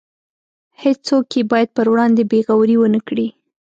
هیڅوک یې باید پر وړاندې بې غورۍ ونکړي.